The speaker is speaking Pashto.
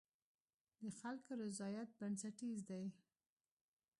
د خلکو رضایت بنسټیز دی.